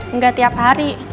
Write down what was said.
enggak tiap hari